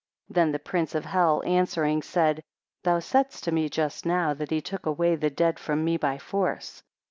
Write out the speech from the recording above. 11 Then the prince of hell answering, said, Thou saidst to me just now, that he took away the dead from me by force.